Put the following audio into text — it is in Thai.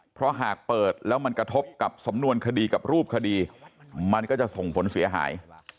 เพราะหากเปิดแล้วมันกระทบกับสำนวนคดีกับรูปคดีมันก็จะส่งผลเสียหาย